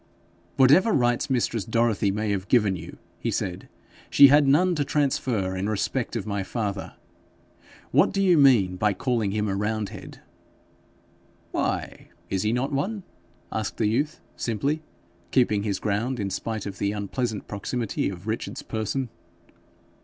'Whatever rights mistress Dorothy may have given you,' he said, 'she had none to transfer in respect of my father. What do you mean by calling him a roundhead?' 'Why, is he not one?' asked the youth, simply, keeping his ground, in spite of the unpleasant proximity of Richard's person.